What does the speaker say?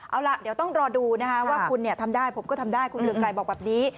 เอาล่ะเดี๋ยวต้องรอดูนะครับว่าคุณเนี่ยทำได้ผมก็ทำได้